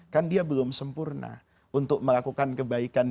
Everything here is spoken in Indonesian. kan dia belum sempurna untuk melakukan kebaikan